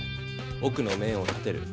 奥の面を立てる。